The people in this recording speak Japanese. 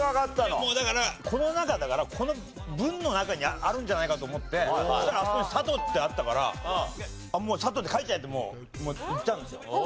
いやもうだから「この中」だからこの文の中にあるんじゃないかと思ってそしたらあそこに「さとう」ってあったから「さとう」って書いちゃえってもういったんですよ。